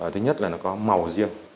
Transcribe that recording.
thứ nhất là nó có màu riêng